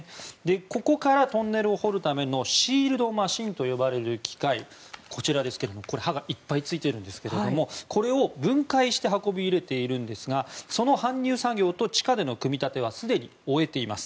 ここからトンネルを掘るためのシールドマシンと呼ばれる機械刃がいっぱいついているんですがこれを分解して運び入れているんですがその搬入作業と地下での組み立てはすでに終えています。